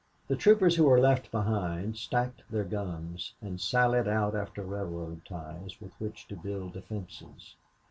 The troopers who were left behind stacked their guns and sallied out after railroad ties with which to build defenses.